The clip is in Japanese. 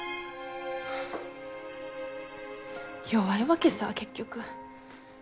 弱いわけさぁ結局。